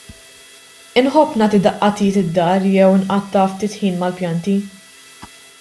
Inħobb nagħti daqqa t'id id-dar jew nqatta' ftit ħin mal-pjanti.